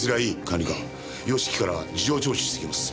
管理官義樹から事情聴取してきます。